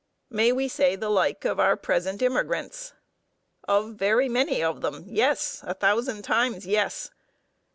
May we say the like of our present immigrants? Of very many of them, yes; a thousand times yes.